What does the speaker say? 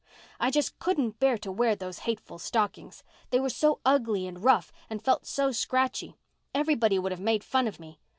"I just couldn't bear to wear those hateful stockings. They were so ugly and rough and felt so scratchy. Everybody would have made fun of me.